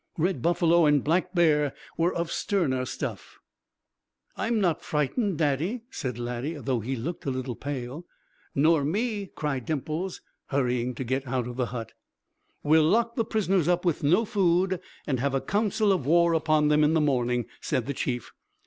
Red Buffalo and Black Bear were of sterner stuff. "I'm not frightened, Daddy," said Laddie, though he looked a little pale. "Nor me," cried Dimples, hurrying to get out of the hut. "We'll lock the prisoners up with no food and have a council of war upon them in the morning," said the Chief.